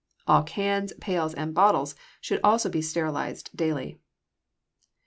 All cans, pails, and bottles should also be sterilized daily.